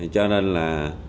cho nên là